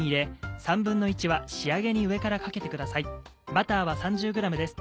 バターは３０ｇです。